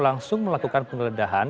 langsung melakukan pengeledahan